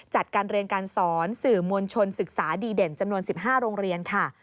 จัดการเรียนการสอนสื่อมวลชนศึกษาดีเด่นจำนวน๑๕โรงเรียนค่ะ